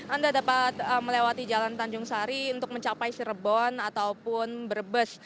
anda dapat melewati jalan tanjung sari untuk mencapai cirebon ataupun brebes